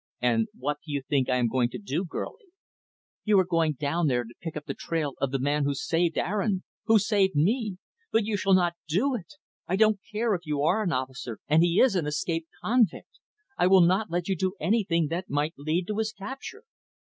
"And what do you think I am going to do, girlie?" "You are going down there to pick up the trail of the man who saved Aaron who saved me. But you shall not do it. I don't care if you are an officer, and he is an escaped convict! I will not let you do anything that might lead to his capture."